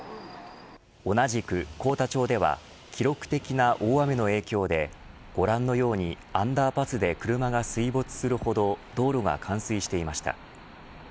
同じく幸田町では記録的な大雨の影響でご覧のように、アンダーパスで車が水没するほど道路が冠水していました。